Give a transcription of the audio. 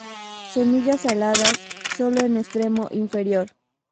Semillas aladas sólo en extremo inferior.